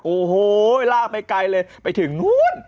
โอ้โหลากไปไกลเลยไปถึงนู้น